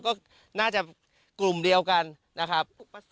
ก็น่าจะกลุ่มเดียวกันนะครับ